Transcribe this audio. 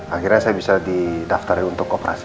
akhirnya saya bisa didaftarin untuk operasi